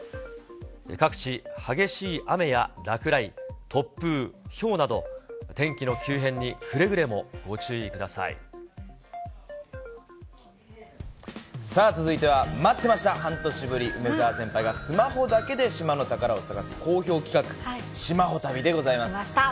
各地、激しい雨や落雷、突風、ひょうなど、天気の急変にくれぐさあ、続いては待ってました、半年ぶり、梅澤先輩がスマホだけで島の宝を探す好評企画、島ホ旅でございま来ました。